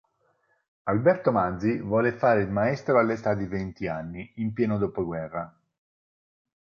Alberto Manzi vuole fare il maestro all'età di venti anni, in pieno dopoguerra.